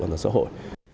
an toàn xã hội